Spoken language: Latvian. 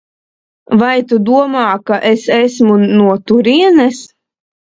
Vai tu domā, ka es esmu no turienes?